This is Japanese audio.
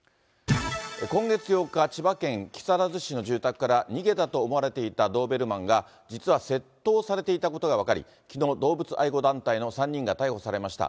こんげつ８にち千葉県木更津市の住宅から逃げたと思われていたドーベルマンが、実は窃盗されていたことが分かり、きのう、動物愛護団体の３人が逮捕されました。